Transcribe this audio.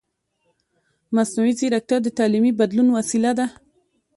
مصنوعي ځیرکتیا د تعلیمي بدلون وسیله ده.